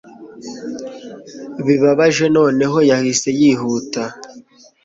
bibabaje noneho yahise yihuta